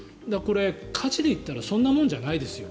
価値で言ったらそんなもんじゃないですよ。